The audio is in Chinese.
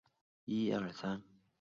在场上的位置是攻击型中场。